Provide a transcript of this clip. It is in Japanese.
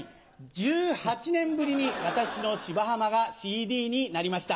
１８年ぶりに私の『芝浜』がＣＤになりました。